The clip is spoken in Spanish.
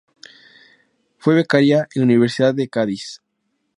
Fue becaria en la Universidad de Cádiz.